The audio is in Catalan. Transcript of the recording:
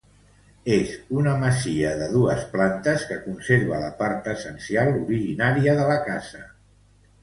És una masia de dues plantes que conserva la part essencial originària de la casa.